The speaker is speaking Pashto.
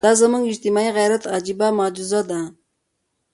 دا زموږ د اجتماعي غیرت عجیبه معجزه ده.